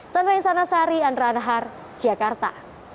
sandra insanasari andra anhar jakarta